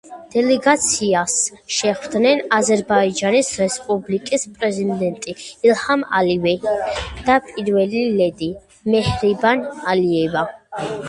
დელეგაციას შეხვდნენ აზერბაიჯანის რესპუბლიკის პრეზიდენტი ილჰამ ალიევი და პირველი ლედი, მეჰრიბან ალიევა.